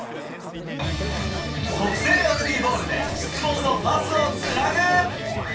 特製ラグビーボールで質問のパスをつなぐ。